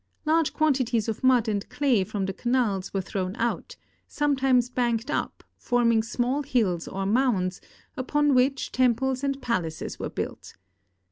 Large quantities of mud and clay from the canals were thrown out, sometimes banked up, forming small hills or mounds, upon which temples and ))alacos were built.